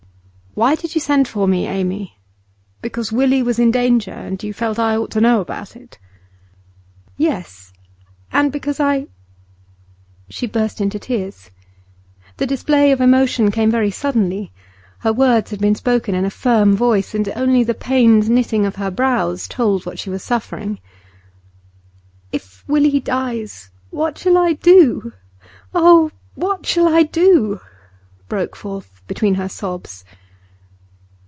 'Why did you send for me, Amy? Because Willie was in danger, and you felt I ought to know about it?' 'Yes and because I ' She burst into tears. The display of emotion came very suddenly; her words had been spoken in a firm voice, and only the pained knitting of her brows had told what she was suffering. 'If Willie dies, what shall I do? Oh, what shall I do?' broke forth between her sobs.